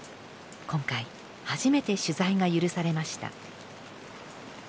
今回初めて取材が許されました。